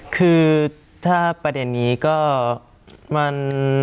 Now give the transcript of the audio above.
คือถ้าประเด็นนี้ก็มัน